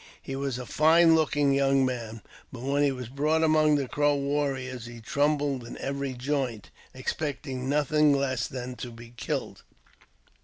He was a fine looking young man, but when he was brought among the Crow warriors he trembled in every joint, expecting nothing less than to be killed.